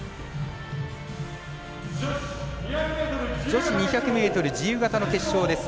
女子２００ｍ自由形の決勝です。